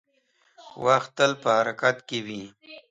• وخت تل په حرکت کې وي.